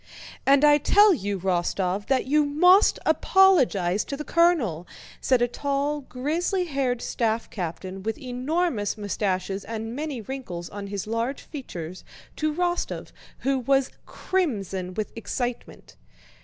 "And I tell you, Rostóv, that you must apologize to the colonel!" said a tall, grizzly haired staff captain, with enormous mustaches and many wrinkles on his large features, to Rostóv who was crimson with excitement.